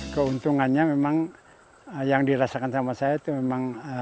keuntungannya memang yang dirasakan sama saya itu memang